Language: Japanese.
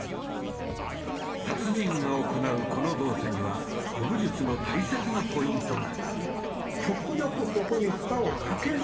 達人が行うこの動作には古武術の大切なポイントが。